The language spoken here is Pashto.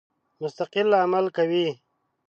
مستقل عمل کوي.